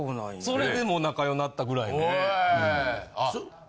それでもう仲良なったぐらいで。